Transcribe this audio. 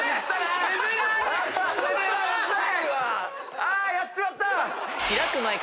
あやっちまった！